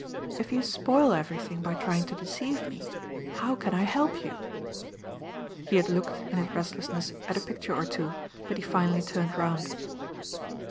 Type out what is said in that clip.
"If you spoil everything by trying to deceive me, how can I help you?" He had looked, in his restlessness, at a picture or two, but he finally turned round.